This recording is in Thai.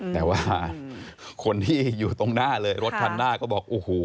แต่ว่าคนที่อยู่ตรงหน้าเลยรถคันหน้าก็บอกโอ้โห